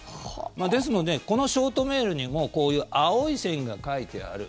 ですのでこのショートメールにもこういう青い線が書いてある。